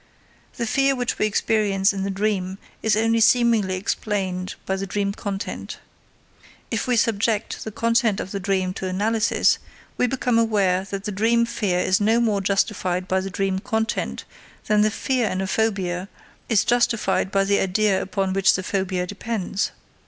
The fear which we experience in the dream is only seemingly explained by the dream content. If we subject the content of the dream to analysis, we become aware that the dream fear is no more justified by the dream content than the fear in a phobia is justified by the idea upon which the phobia depends.